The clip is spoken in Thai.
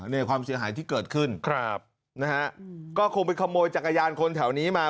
นี่ความเสียหายที่เกิดขึ้นครับนะฮะก็คงไปขโมยจักรยานคนแถวนี้มา